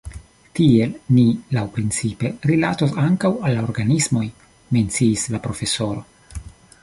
Tiel ni laŭprincipe rilatos ankaŭ al la organismoj, menciis la profesoro.